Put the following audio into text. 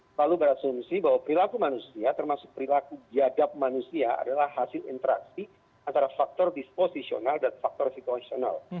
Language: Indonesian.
selalu berasumsi bahwa perilaku manusia termasuk perilaku biadab manusia adalah hasil interaksi antara faktor disposisional dan faktor situasional